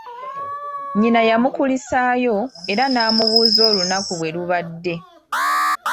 Nnyina yamukulisaayo era n'amubuuza olunaku bwe lubadde.